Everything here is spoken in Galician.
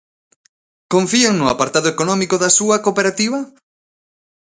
Confían no apartado económico da súa cooperativa?